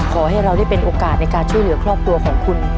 ขอให้เราได้เป็นโอกาสในการช่วยเหลือครอบครัวของคุณ